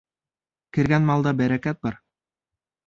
Кергән малда бәрәкәт бар.